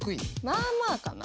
まあまあかな。